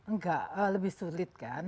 enggak lebih sulit kan